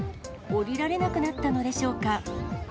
降りられなくなったのでしょうか。